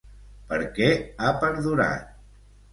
Per què ha perdurat?